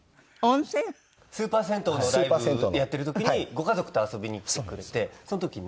スーパー銭湯のライブやってる時にご家族と遊びに来てくれてその時にね。